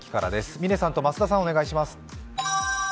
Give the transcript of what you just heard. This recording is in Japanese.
嶺さん、増田さん、お願いします。